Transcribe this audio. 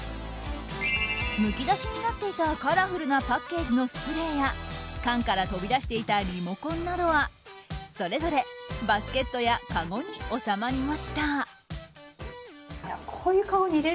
むき出しになっていたカラフルなパッケージのスプレーや缶から飛び出していたリモコンなどはそれぞれバスケットやかごに収まりました。